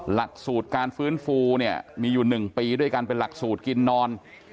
หลักสูตรการฟื้นฟูเนี่ยมีอยู่๑ปีด้วยกันเป็นหลักสูตรกินนอน